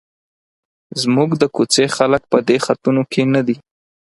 زموږ د کوڅې خلک په دې خطونو کې نه دي.